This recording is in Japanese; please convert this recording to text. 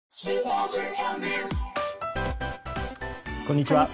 こんにちは。